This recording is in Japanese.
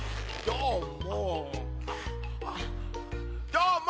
どーも！